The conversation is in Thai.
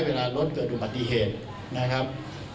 เวลารถเกิดอุบัติเหตุนะครับ